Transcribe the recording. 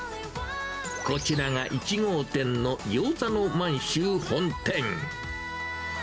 こちらが１号店のぎょうざの満洲本店。